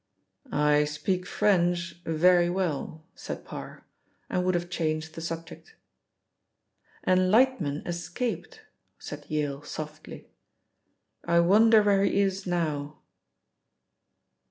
"I speak French very well," said Parr, and would have changed the subject. "And Lightman escaped," said Yale softly. "I wonder where he is now."